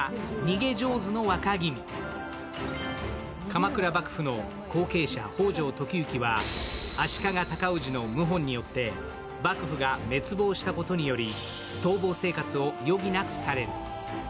鎌倉幕府の後継者・北条時行は足利尊氏の謀反によって幕府が滅亡したことにより逃亡生活を余儀なくされる。